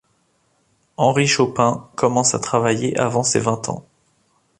Henri Chopin, commence à travailler avant ses vingt ans.